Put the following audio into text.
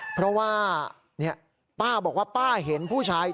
เพราะว่าป้าบอกว่าป้าเห็นผู้ชาย